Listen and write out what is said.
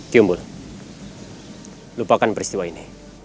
ki umbul lupakan peristiwa ini